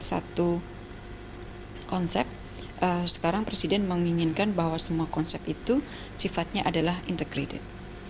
satu konsep sekarang presiden menginginkan bahwa semua konsep itu sifatnya adalah integrated